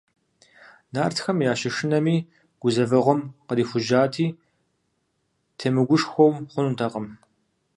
Нартхэм ящышынэми, гузэвэгъуэм кърихужьати, темыгушхуэу хъунутэкъым.